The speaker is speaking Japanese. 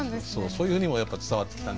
そういうふうにもやっぱ伝わってきた。